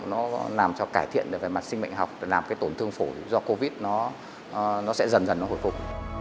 nó làm cho cải thiện được về mặt sinh mệnh học để làm cái tổn thương phổi do covid nó sẽ dần dần nó hồi phục